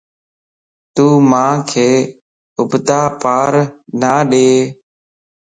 تون مانک اڀتا پار نه ڏي